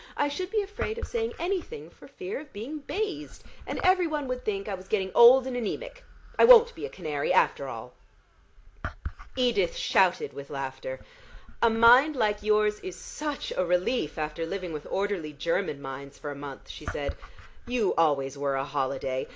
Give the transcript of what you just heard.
I should be afraid of saying anything for fear of being baized, and every one would think I was getting old and anæmic. I won't be a canary after all!" Edith shouted with laughter. "A mind like yours is such a relief after living with orderly German minds for a month," she said. "You always were a holiday.